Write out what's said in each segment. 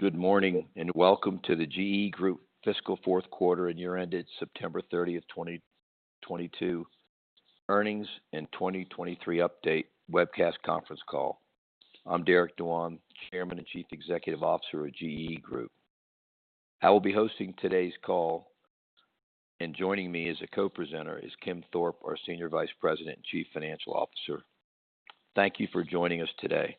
Good morning, and welcome to the GEE Group Fiscal Fourth Quarter and Year Ended September 30th, 2022 Earnings and 2023 Update Webcast Conference Call. I'm Derek Dewan, Chairman and Chief Executive Officer of GEE Group. I will be hosting today's call, and joining me as a co-presenter is Kim Thorpe, our Senior Vice President and Chief Financial Officer. Thank you for joining us today.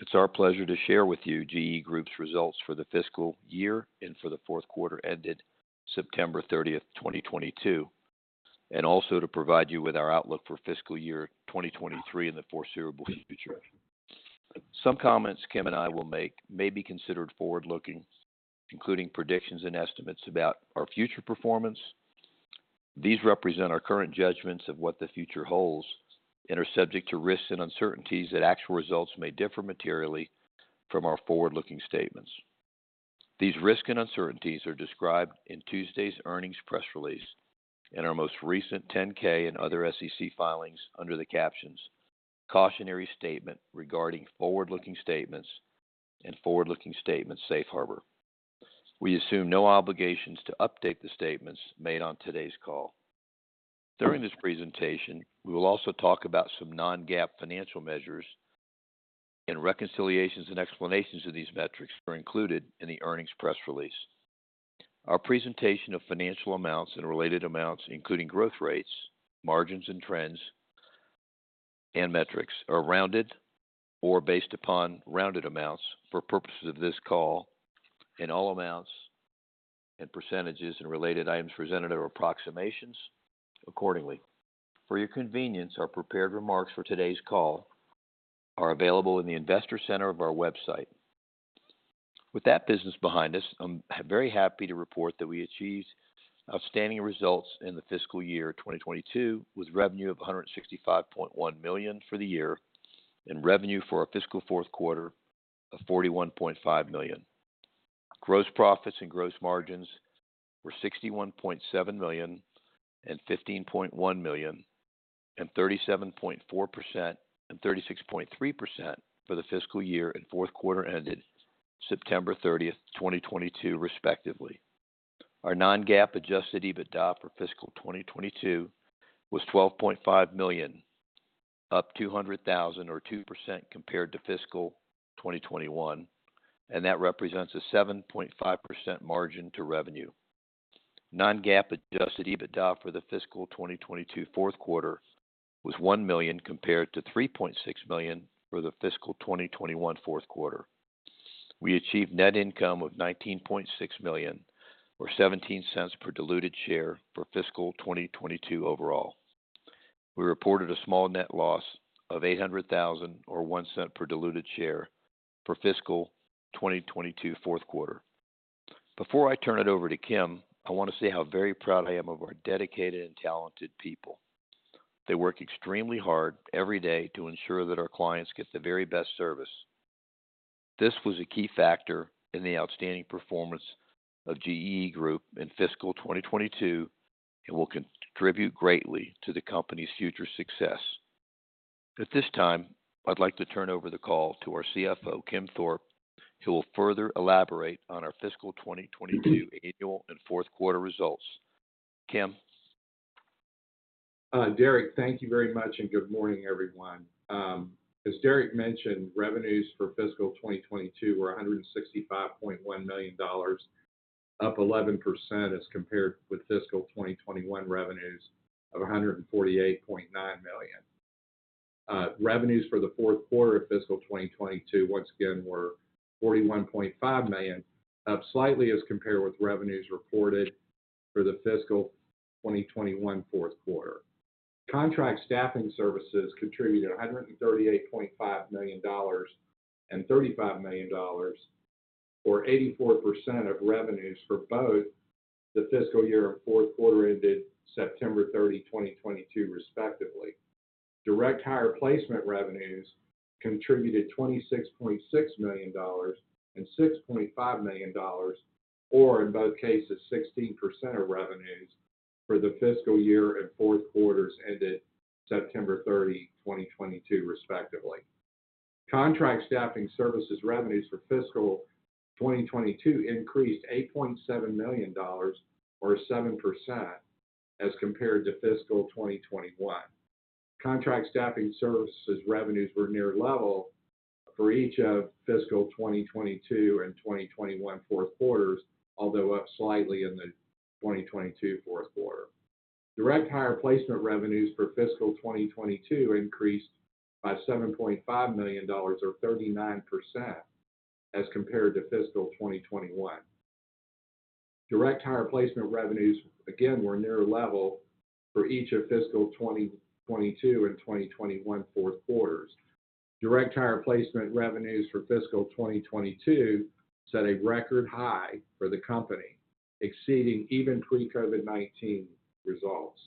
It's our pleasure to share with you GEE Group's results for the fiscal year and for the fourth quarter ended September 30th, 2022, and also to provide you with our outlook for fiscal year 2023 and the foreseeable future. Some comments Kim and I will make may be considered forward-looking, including predictions and estimates about our future performance. These represent our current judgments of what the future holds and are subject to risks and uncertainties that actual results may differ materially from our forward-looking statements. These risks and uncertainties are described in Tuesday's earnings press release and our most recent 10-K and other SEC filings under the captions "Cautionary Statement Regarding Forward-Looking Statements" and "Forward-Looking Statements Safe Harbor." We assume no obligations to update the statements made on today's call. During this presentation, we will also talk about some non-GAAP financial measures and reconciliations and explanations of these metrics are included in the earnings press release. Our presentation of financial amounts and related amounts, including growth rates, margins and trends, and metrics, are rounded or based upon rounded amounts for purposes of this call and all amounts and percentages and related items presented are approximations accordingly. For your convenience, our prepared remarks for today's call are available in the investor center of our website. With that business behind us, I'm very happy to report that we achieved outstanding results in the fiscal year 2022 with revenue of $165.1 million for the year and revenue for our fiscal fourth quarter of $41.5 million. Gross profits and gross margins were $61.7 million and $15.1 million and 37.4% and 36.3% for the fiscal year and fourth quarter ended September 30th, 2022, respectively. Our non-GAAP adjusted EBITDA for fiscal 2022 was $12.5 million, up $200,000 or 2% compared to fiscal 2021. That represents a 7.5% margin to revenue. Non-GAAP adjusted EBITDA for the fiscal 2022 fourth quarter was $1 million compared to $3.6 million for the fiscal 2021 fourth quarter. We achieved net income of $19.6 million, or $0.17 per diluted share for fiscal 2022 overall. We reported a small net loss of $800,000 or $0.01 per diluted share for fiscal 2022 fourth quarter. Before I turn it over to Kim, I want to say how very proud I am of our dedicated and talented people. They work extremely hard every day to ensure that our clients get the very best service. This was a key factor in the outstanding performance of GEE Group in fiscal 2022 and will contribute greatly to the company's future success. At this time, I'd like to turn over the call to our CFO, Kim Thorpe, who will further elaborate on our fiscal 2022 annual and fourth quarter results. Kim? Derek, thank you very much, good morning, everyone. As Derek mentioned, revenues for fiscal 2022 were $165.1 million, up 11% as compared with fiscal 2021 revenues of $148.9 million. Revenues for the fourth quarter of fiscal 2022, once again, were $41.5 million, up slightly as compared with revenues reported for the fiscal 2021 fourth quarter. Contract staffing services contributed $138.5 million and $35 million, or 84% of revenues for both the fiscal year and fourth quarter ended September 30, 2022, respectively. Direct hire placement revenues contributed $26.6 million and $6.5 million, or in both cases, 16% of revenues for the fiscal year and fourth quarters ended September 30, 2022, respectively. Contract staffing services revenues for fiscal 2022 increased $8.7 million or 7% as compared to fiscal 2021. Contract staffing services revenues were near level for each of fiscal 2022 and 2021 fourth quarters, although up slightly in the 2022 fourth quarter. Direct hire placement revenues for fiscal 2022 increased by $7.5 million or 39% as compared to fiscal 2021. Direct hire placement revenues again were near level for each of fiscal 2022 and 2021 fourth quarters. Direct hire placement revenues for fiscal 2022 set a record high for the company, exceeding even pre-COVID-19 results.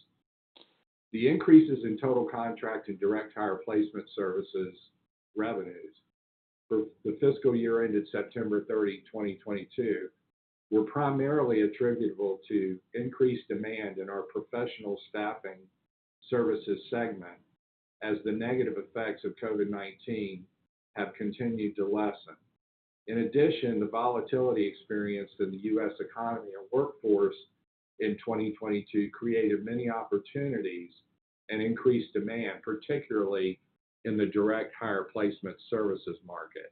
The increases in total contract and direct hire placement services revenues for the fiscal year ended September 30, 2022 were primarily attributable to increased demand in our professional staffing services segment as the negative effects of COVID-19 have continued to lessen. In addition, the volatility experienced in the U.S. economy and workforce in 2022 created many opportunities and increased demand, particularly in the direct hire placement services market.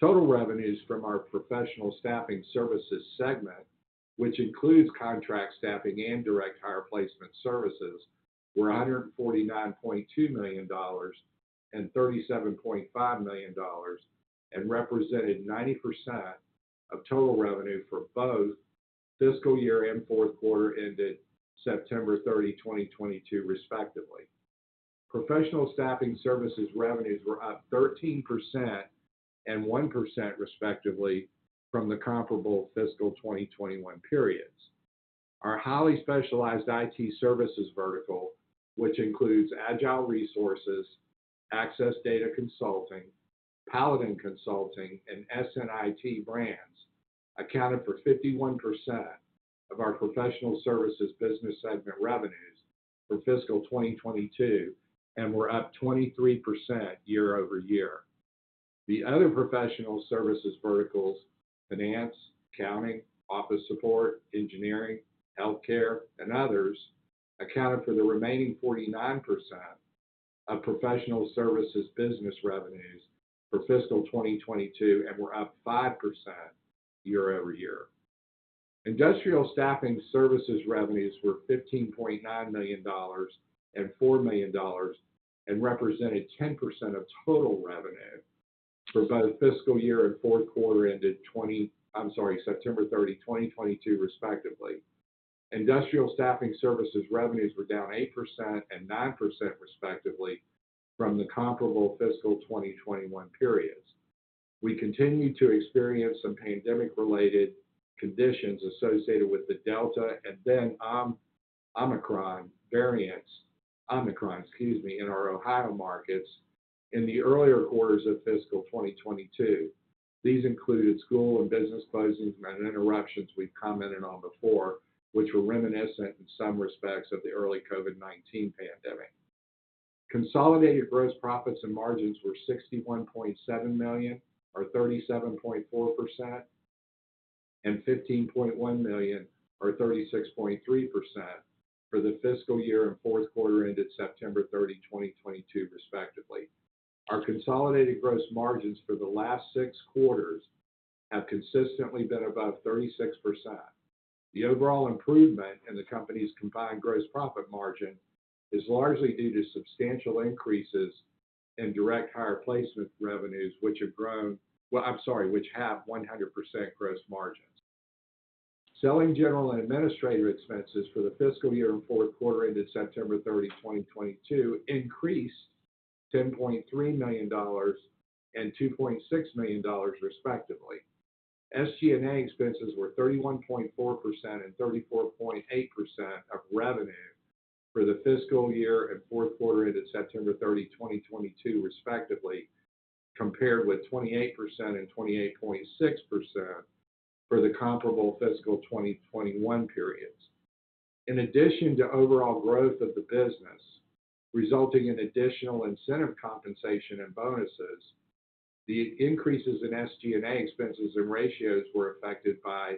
Total revenues from our professional staffing services segment, which includes contract staffing and direct hire placement services, were $149.2 million and $37.5 million and represented 90% of total revenue for both fiscal year and fourth quarter ended September 30, 2022, respectively. Professional staffing services revenues were up 13% and 1% respectively from the comparable fiscal 2021 periods. Our highly specialized IT services vertical, which includes Agile Resources, Access Data Consulting, Paladin Consulting, and SNI brands, accounted for 51% of our professional services business segment revenues for fiscal 2022 and were up 23% year-over-year. The other professional services verticals, finance, accounting, office support, engineering, healthcare, and others, accounted for the remaining 49% of professional services business revenues for fiscal 2022 and were up 5% year-over-year. Industrial staffing services revenues were $15.9 million and $4 million and represented 10% of total revenue for both fiscal year and fourth quarter ended September 30, 2022, respectively. Industrial staffing services revenues were down 8% and 9% respectively from the comparable fiscal 2021 periods. We continued to experience some pandemic-related conditions associated with the Delta and Omicron variants, excuse me, in our Ohio markets in the earlier quarters of fiscal 2022. These included school and business closings and interruptions we've commented on before, which were reminiscent in some respects of the early COVID-19 pandemic. Consolidated gross profits and margins were $61.7 million or 37.4% and $15.1 million or 36.3% for the fiscal year and fourth quarter ended September 30, 2022, respectively. Our consolidated gross margins for the last six quarters have consistently been above 36%. The overall improvement in the company's combined gross profit margin is largely due to substantial increases in direct higher placement revenues, which have grown. Well, which have 100% gross margins. Selling, general, and administrative expenses for the fiscal year and fourth quarter ended September 30, 2022 increased $10.3 million and $2.6 million respectively. SG&A expenses were 31.4% and 34.8% of revenue for the fiscal year and fourth quarter ended September 30, 2022 respectively, compared with 28% and 28.6% for the comparable fiscal 2021 periods. In addition to overall growth of the business resulting in additional incentive compensation and bonuses, the increases in SG&A expenses and ratios were affected by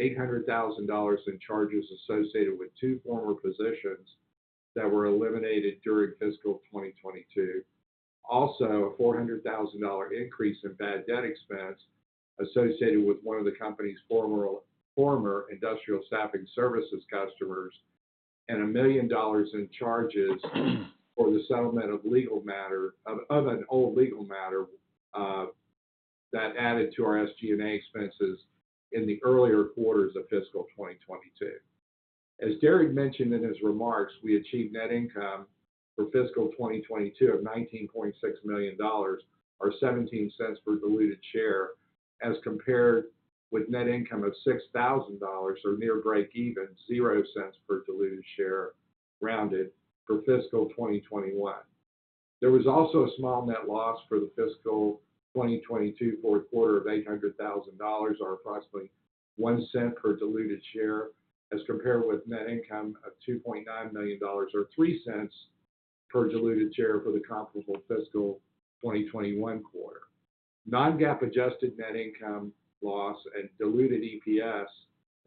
$800,000 in charges associated with two former positions that were eliminated during fiscal 2022. A $400,000 increase in bad debt expense associated with one of the company's former industrial staffing services customers and $1 million in charges for the settlement of legal matter, of an old legal matter that added to our SG&A expenses in the earlier quarters of fiscal 2022. As Derek mentioned in his remarks, we achieved net income for fiscal 2022 of $19.6 million, or $0.17 per diluted share, as compared with net income of $6,000 or near breakeven, $0.00 per diluted share rounded for fiscal 2021. There was also a small net loss for the fiscal 2022 fourth quarter of $800,000 or approximately $0.01 per diluted share as compared with net income of $2.9 million or $0.03 per diluted share for the comparable fiscal 2021 quarter. Non-GAAP adjusted net income loss and diluted EPS,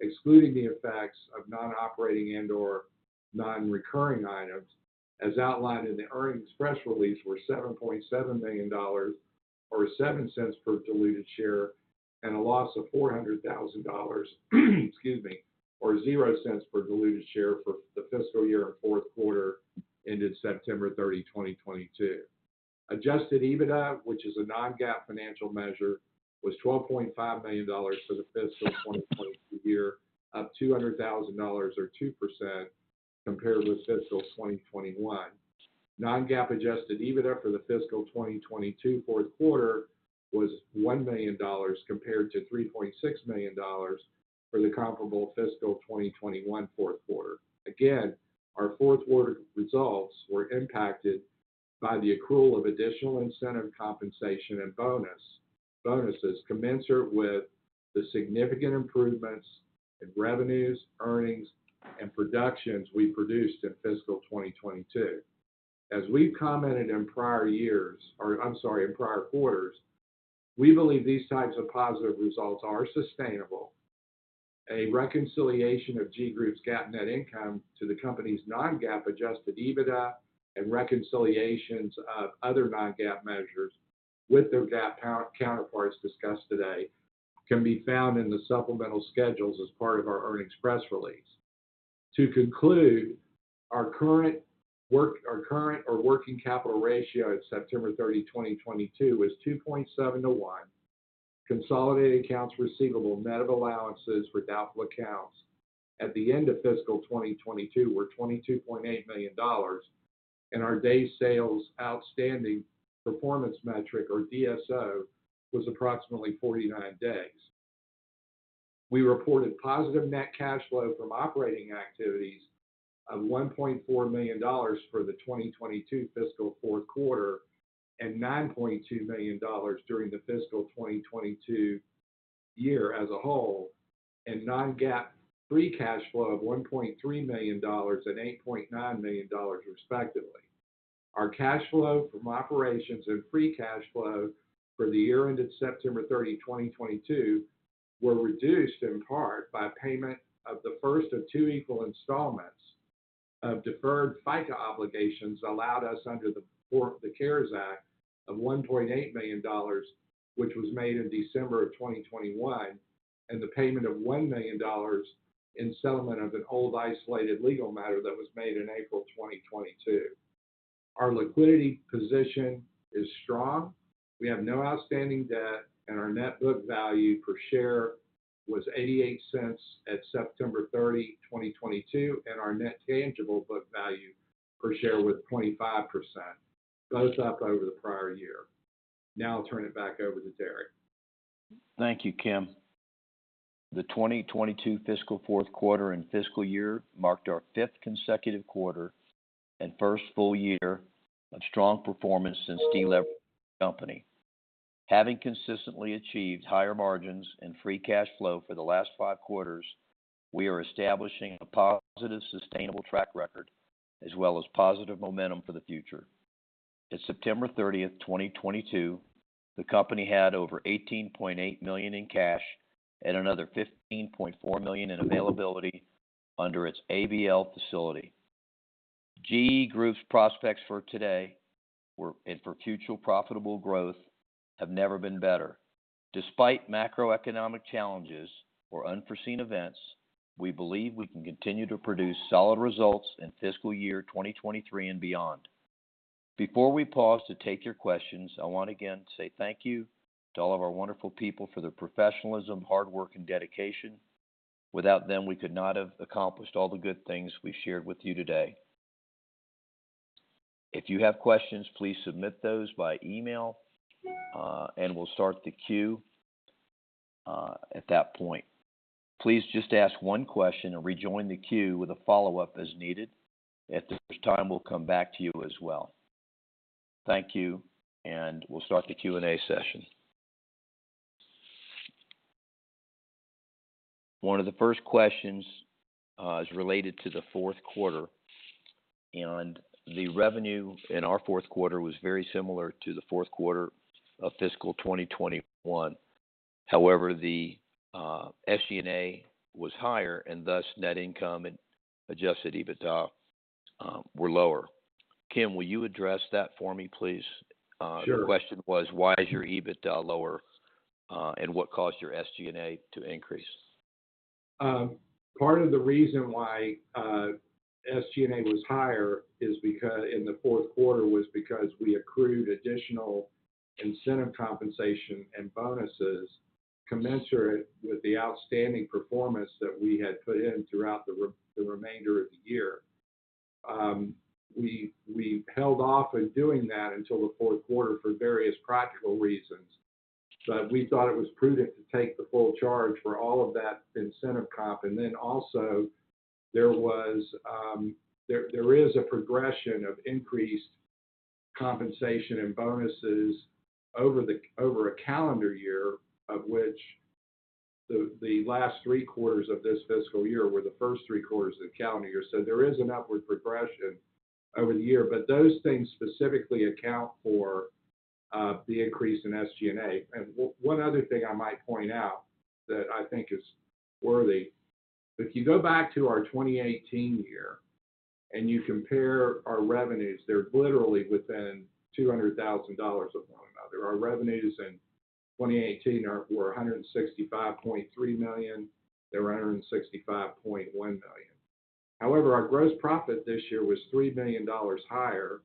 excluding the effects of non-operating and/or non-recurring items as outlined in the earnings press release, were $7.7 million or $0.07 per diluted share, and a loss of $400,000, excuse me, or $0.00 per diluted share for the fiscal year and fourth quarter ended September 30, 2022. Adjusted EBITDA, which is a non-GAAP financial measure, was $12.5 million for the fiscal 2022 year, up $200,000 or 2% compared with fiscal 2021. Non-GAAP adjusted EBITDA for the fiscal 2022 fourth quarter was $1 million compared to $3.6 million for the comparable fiscal 2021 fourth quarter. Again, our fourth quarter results were impacted by the accrual of additional incentive compensation and bonuses commensurate with the significant improvements in revenues, earnings, and productions we produced in fiscal 2022. As we've commented in prior years or in prior quarters, we believe these types of positive results are sustainable. A reconciliation of GEE Group's GAAP net income to the company's non-GAAP adjusted EBITDA and reconciliations of other non-GAAP measures with their GAAP counterparts discussed today can be found in the supplemental schedules as part of our earnings press release. To conclude, our current working capital ratio at September 30, 2022 is 2.7 to 1. Consolidated accounts receivable net of allowances for doubtful accounts at the end of fiscal 2022 were $22.8 million. Our days sales outstanding performance metric, or DSO, was approximately 49 days. We reported positive net cash flow from operating activities of $1.4 million for the 2022 fiscal fourth quarter and $9.2 million during the fiscal 2022 year as a whole, and non-GAAP free cash flow of $1.3 million and $8.9 million respectively. Our cash flow from operations and free cash flow for the year ended September 30, 2022 were reduced in part by payment of the first of two equal installments of deferred FICA obligations allowed us under the CARES Act of $1.8 million, which was made in December 2021, and the payment of $1 million in settlement of an old isolated legal matter that was made in April 2022. Our liquidity position is strong. We have no outstanding debt, and our net book value per share was $0.88 at September 30, 2022, and our net tangible book value per share was 25%, both up over the prior year. Now I'll turn it back over to Derek. Thank you, Kim. The 2022 fiscal 4th quarter and fiscal year marked our 5th consecutive quarter and 1st full year of strong performance since de-leveraging the company. Having consistently achieved higher margins and free cash flow for the last five quarters, we are establishing a positive, sustainable track record as well as positive momentum for the future. At September 30, 2022, the company had over $18.8 million in cash and another $15.4 million in availability under its ABL facility. GEE Group's prospects for today and for future profitable growth have never been better. Despite macroeconomic challenges or unforeseen events, we believe we can continue to produce solid results in fiscal year 2023 and beyond. Before we pause to take your questions, I want again to say thank you to all of our wonderful people for their professionalism, hard work, and dedication. Without them, we could not have accomplished all the good things we've shared with you today. If you have questions, please submit those by email, and we'll start the queue at that point. Please just ask one question and rejoin the queue with a follow-up as needed. At the first time, we'll come back to you as well. Thank you. We'll start the Q&A session. One of the first questions is related to the fourth quarter. The revenue in our fourth quarter was very similar to the fourth quarter of fiscal 2021. However, the SG&A was higher, and thus net income and adjusted EBITDA were lower. Kim, will you address that for me, please? Sure. The question was, why is your EBITDA lower, and what caused your SG&A to increase? Part of the reason why SG&A was higher in the fourth quarter was because we accrued additional incentive compensation and bonuses commensurate with the outstanding performance that we had put in throughout the remainder of the year. We held off in doing that until the fourth quarter for various practical reasons, but we thought it was prudent to take the full charge for all of that incentive comp. Also there was, there is a progression of increased compensation and bonuses over the, over a calendar year, of which the last three quarters of this fiscal year were the first three quarters of the calendar year. There is an upward progression over the year, but those things specifically account for the increase in SG&A. One other thing I might point out that I think is worthy, if you go back to our 2018 year and you compare our revenues, they're literally within $200,000 of one another. Our revenues in 2018 were $165.3 million. They were $165.1 million. However, our gross profit this year was $3 million higher.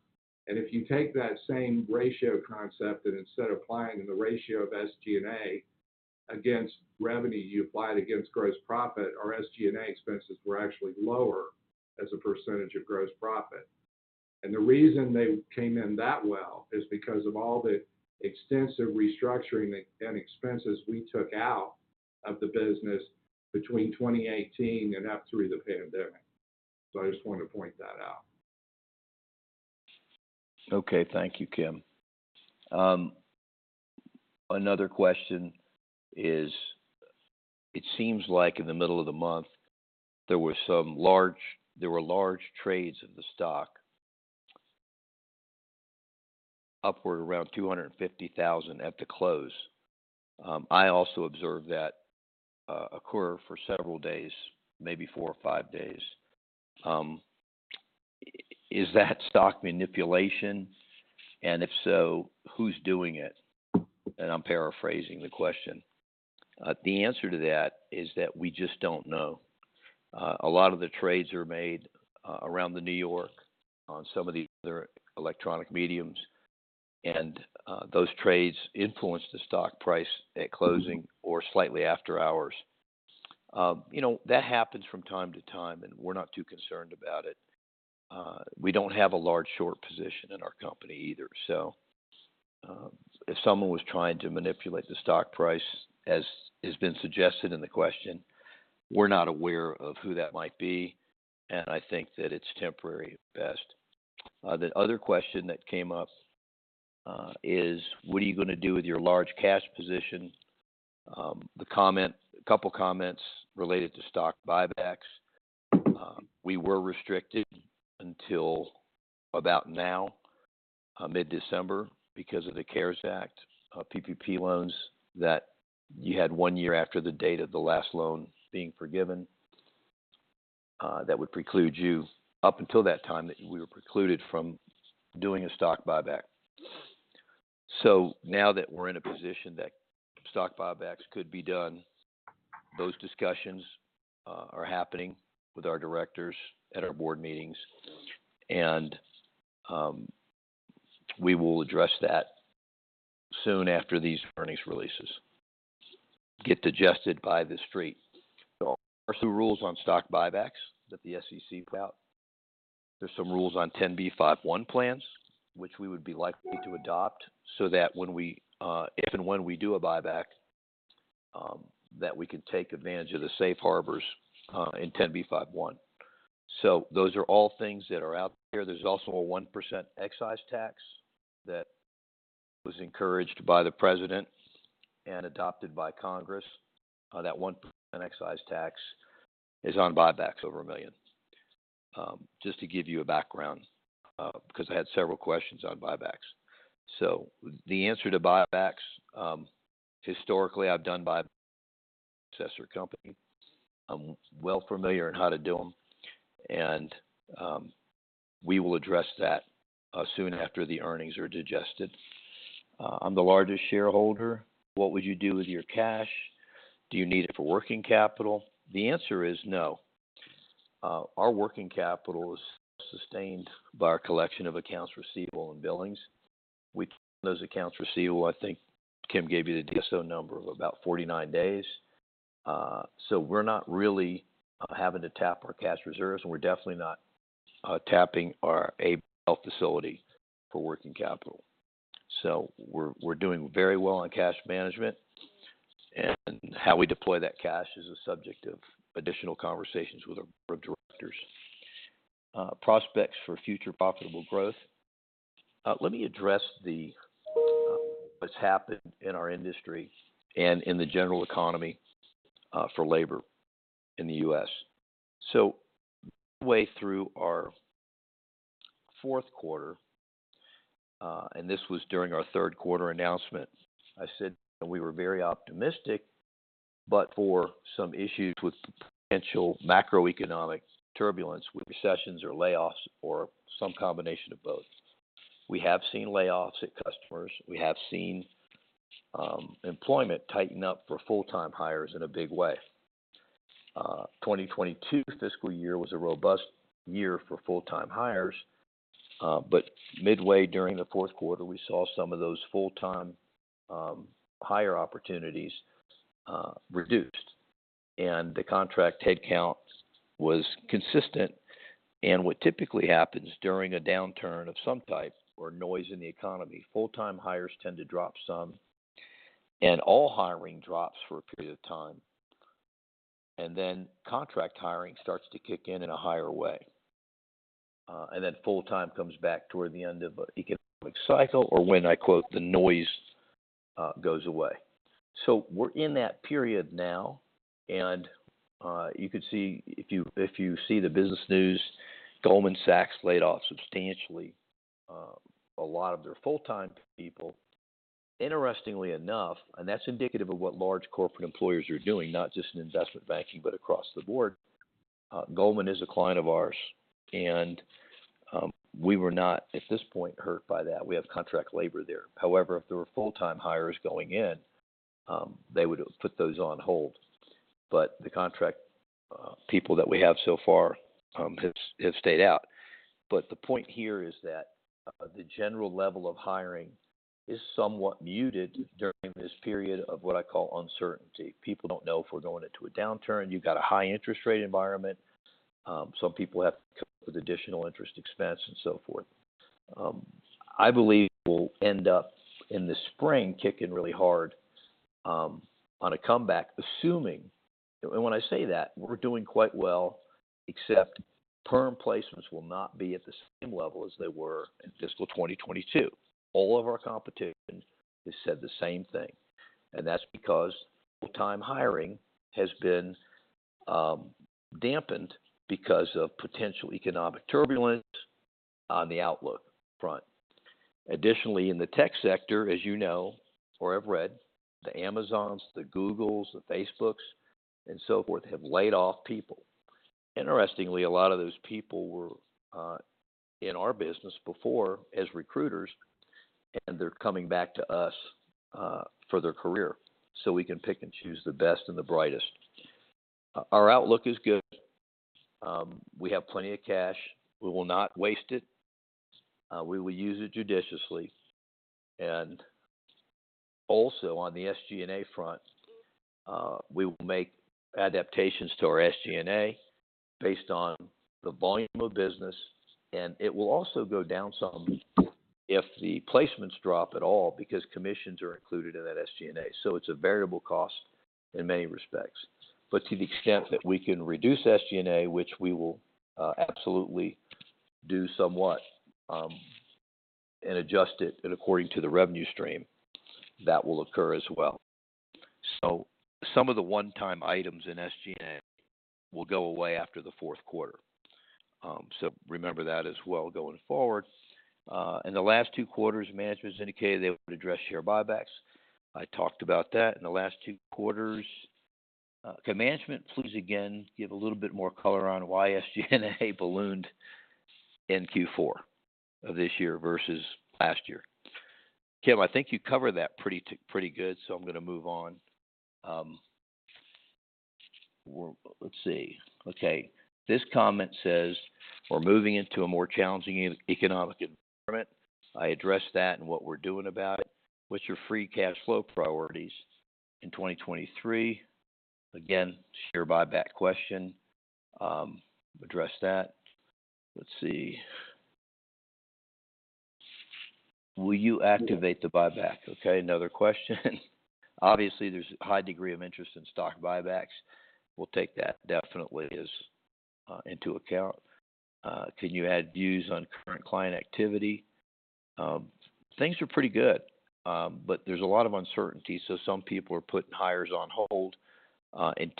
If you take that same ratio concept and instead applying the ratio of SG&A against revenue, you apply it against gross profit, our SG&A expenses were actually lower as a percentage of gross profit. The reason they came in that well is because of all the extensive restructuring and expenses we took out of the business between 2018 and up through the pandemic. I just wanted to point that out. Thank you, Kim. Another question is, it seems like in the middle of the month, there were large trades of the stock upward around $250,000 at the close. I also observed that occur for several days, maybe four or five days. Is that stock manipulation, and if so, who's doing it? I'm paraphrasing the question. The answer to that is that we just don't know. A lot of the trades are made around the New York on some of the other electronic mediums, those trades influence the stock price at closing or slightly after hours. You know, that happens from time to time, we're not too concerned about it. We don't have a large short position in our company either. If someone was trying to manipulate the stock price as has been suggested in the question, we're not aware of who that might be, and I think that it's temporary at best. The other question that came up, is what are you gonna do with your large cash position? A couple comments related to stock buybacks. We were restricted until about now, mid-December because of the CARES Act, PPP loans that you had one year after the date of the last loan being forgiven, that would preclude you up until that time that we were precluded from doing a stock buyback. Now that we're in a position that stock buybacks could be done, those discussions, are happening with our directors at our board meetings. We will address that soon after these earnings releases get digested by the street. There are some rules on stock buybacks that the SEC put out. There's some rules on Rule 10b5-1 plans, which we would be likely to adopt so that when we, if and when we do a buyback, that we can take advantage of the safe harbors in Rule 10b5-1. Those are all things that are out there. There's also a 1% excise tax that was encouraged by the president and adopted by Congress. That 1% excise tax is on buybacks over $1 million. Just to give you a background, because I had several questions on buybacks. The answer to buybacks, historically I've done by successor company. I'm well familiar in how to do them, and we will address that soon after the earnings are digested. I'm the largest shareholder. What would you do with your cash? Do you need it for working capital? The answer is no. Our working capital is sustained by our collection of accounts receivable and billings. We those accounts receivable, I think Kim gave you the DSO number of about 49 days. We're not really having to tap our cash reserves, and we're definitely not tapping our ABL facility for working capital. We're doing very well on cash management, and how we deploy that cash is a subject of additional conversations with our board of directors. Prospects for future profitable growth. Let me address the...what's happened in our industry and in the general economy, for labor in the U.S. Way through our fourth quarter, and this was during our third quarter announcement, I said that we were very optimistic, but for some issues with potential macroeconomic turbulence with recessions or layoffs or some combination of both. We have seen layoffs at customers. We have seen, employment tighten up for full-time hires in a big way. 2022 fiscal year was a robust year for full-time hires, but midway during the fourth quarter, we saw some of those full-time, hire opportunities, reduced, and the contract head count was consistent. What typically happens during a downturn of some type or noise in the economy, full-time hires tend to drop some, and all hiring drops for a period of time. Contract hiring starts to kick in in a higher way. Full-time comes back toward the end of economic cycle or when I quote, "The noise," goes away. We're in that period now, you could see if you see the business news, Goldman Sachs laid off substantially a lot of their full-time people. Interestingly enough, that's indicative of what large corporate employers are doing, not just in investment banking, but across the board. Goldman is a client of ours, we were not at this point hurt by that. We have contract labor there. However, if there were full-time hires going in, they would put those on hold. The contract people that we have so far have stayed out. The point here is that the general level of hiring is somewhat muted during this period of what I call uncertainty. People don't know if we're going into a downturn. You've got a high interest rate environment. Some people have to cope with additional interest expense and so forth. I believe we'll end up in the spring kicking really hard on a comeback. When I say that, we're doing quite well, except perm placements will not be at the same level as they were in fiscal 2022. All of our competition has said the same thing. That's because full-time hiring has been dampened because of potential economic turbulence on the outlook front. Additionally, in the tech sector, as you know or have read, the Amazons, the Googles, the Facebooks, and so forth, have laid off people. Interestingly, a lot of those people were in our business before as recruiters, and they're coming back to us for their career, so we can pick and choose the best and the brightest. Our outlook is good. We have plenty of cash. We will not waste it. We will use it judiciously. On the SG&A front, we will make adaptations to our SG&A based on the volume of business, and it will also go down some if the placements drop at all because commissions are included in that SG&A. It's a variable cost in many respects. To the extent that we can reduce SG&A, which we will absolutely do somewhat, and adjust it according to the revenue stream, that will occur as well. Some of the one-time items in SG&A will go away after the fourth quarter. Remember that as well going forward. In the last two quarters, management has indicated they would address share buybacks. I talked about that in the last two quarters. Can management please again give a little bit more color on why SG&A ballooned in Q4 of this year versus last year? Kim, I think you covered that pretty good, I'm gonna move on. Let's see. Okay. This comment says, "We're moving into a more challenging economic environment." I addressed that and what we're doing about it. What's your free cash flow priorities in 2023? Again, share buyback question. Addressed that. Let's see. Will you activate the buyback? Okay, another question. Obviously, there's a high degree of interest in stock buybacks. We'll take that definitely as into account. Can you add views on current client activity? Things are pretty good. There's a lot of uncertainty, so some people are putting hires on hold.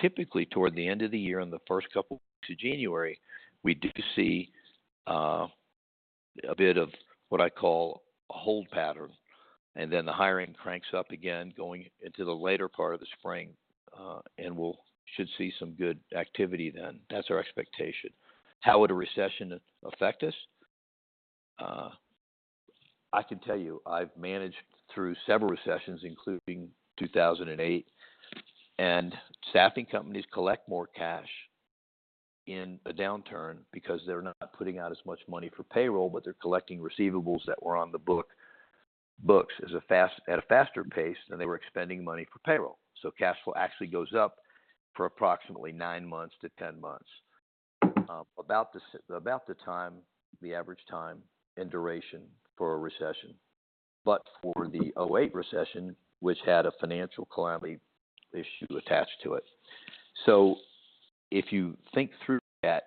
Typically toward the end of the year and the first couple weeks of January, we do see a bit of what I call a hold pattern, and then the hiring cranks up again going into the later part of the spring. Should see some good activity then. That's our expectation. How would a recession affect us? I can tell you I've managed through several recessions, including 2008. Staffing companies collect more cash in a downturn because they're not putting out as much money for payroll, but they're collecting receivables that were on the books at a faster pace than they were expending money for payroll. Cash flow actually goes up for approximately 9 months to 10 months, about the time, the average time and duration for a recession. For the 2008 recession, which had a financial calamity issue attached to it. If you think through that,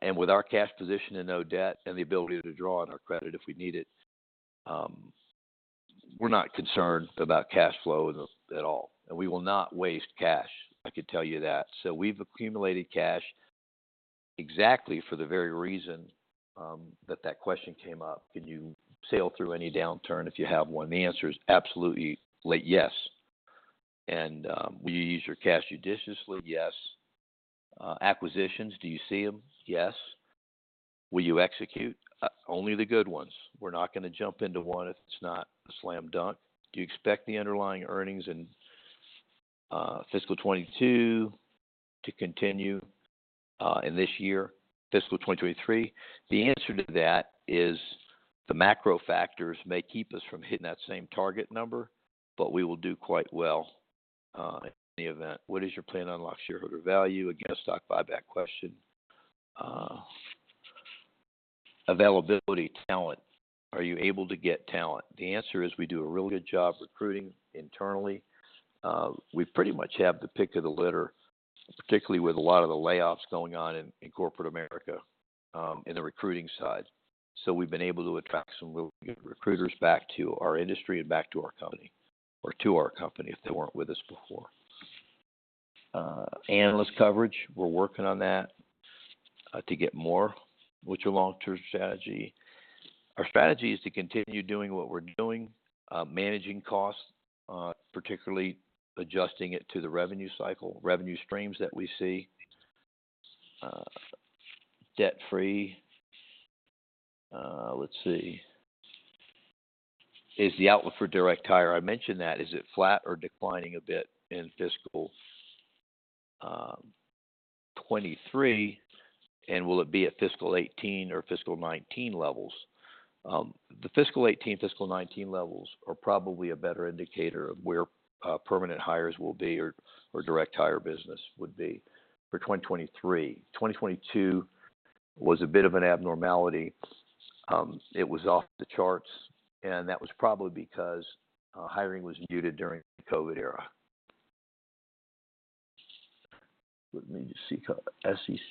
and with our cash position and no debt and the ability to draw on our credit if we need it, we're not concerned about cash flow at all, and we will not waste cash, I could tell you that. We've accumulated cash exactly for the very reason that that question came up. Can you sail through any downturn if you have one? The answer is absolutely yes. Will you use your cash judiciously? Yes. Acquisitions, do you see them? Yes. Will you execute? Only the good ones. We're not going to jump into one if it's not a slam dunk. Do you expect the underlying earnings in fiscal 22 to continue in this year, fiscal 2023? The answer to that is the macro factors may keep us from hitting that same target number, but we will do quite well in any event. What is your plan to unlock shareholder value? Again, a stock buyback question. Availability, talent. Are you able to get talent? The answer is we do a really good job recruiting internally. We pretty much have the pick of the litter, particularly with a lot of the layoffs going on in corporate America, in the recruiting side. We've been able to attract some really good recruiters back to our industry and back to our company or to our company if they weren't with us before. Analyst coverage, we're working on that to get more, which a long-term strategy. Our strategy is to continue doing what we're doing, managing costs, particularly adjusting it to the revenue cycle, revenue streams that we see. Debt-free. Let's see. Is the outlook for direct hire? I mentioned that. Is it flat or declining a bit in fiscal 23? Will it be at fiscal 18 or fiscal 19 levels? The fiscal 18, fiscal 19 levels are probably a better indicator of where permanent hires will be or direct hire business would be for 2023. 2022 was a bit of an abnormality. It was off the charts, and that was probably because hiring was muted during the COVID era. Let me just see.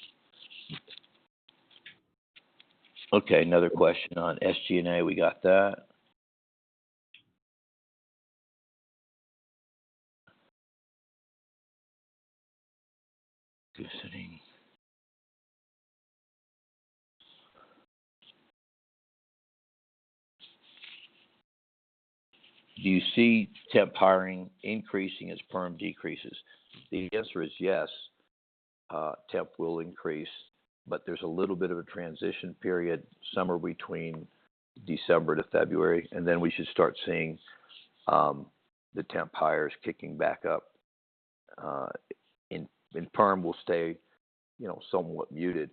Okay, another question on SG&A. We got that. Do you see temp hiring increasing as perm decreases? The answer is yes, temp will increase, but there's a little bit of a transition period somewhere between December to February, then we should start seeing the temp hires kicking back up. Perm will stay, you know, somewhat muted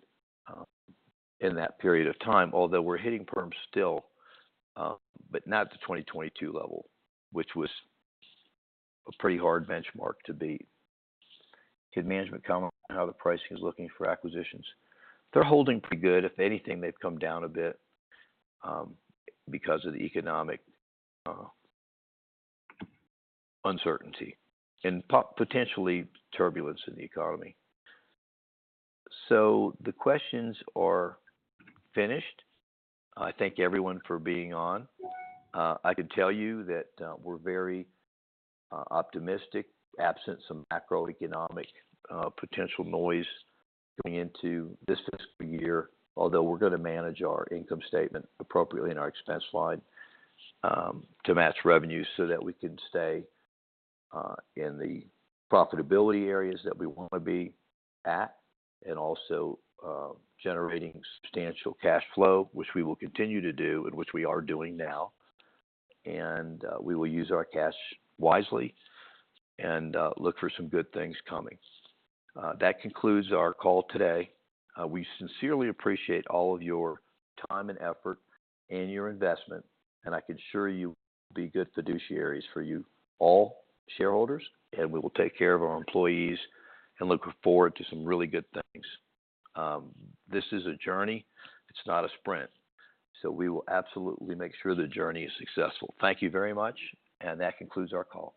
in that period of time, although we're hitting perm still, but not at the 2022 level, which was a pretty hard benchmark to beat. Could management comment on how the pricing is looking for acquisitions? They're holding pretty good. If anything, they've come down a bit because of the economic uncertainty and potentially turbulence in the economy. The questions are finished. I thank everyone for being on. I can tell you that we're very optimistic, absent some macroeconomic potential noise going into this fiscal year, although we're going to manage our income statement appropriately and our expense line to match revenues so that we can stay in the profitability areas that we want to be at and also generating substantial cash flow, which we will continue to do and which we are doing now. We will use our cash wisely and look for some good things coming. That concludes our call today. We sincerely appreciate all of your time and effort and your investment, and I can assure you we'll be good fiduciaries for you, all shareholders, and we will take care of our employees and look forward to some really good things. This is a journey. It's not a sprint. We will absolutely make sure the journey is successful. Thank you very much. That concludes our call.